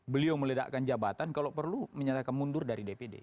beliau meledakkan jabatan kalau perlu menyatakan mundur dari dpd